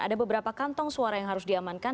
ada beberapa kantong suara yang harus diamankan